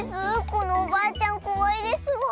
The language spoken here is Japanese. このおばあちゃんこわいですわ。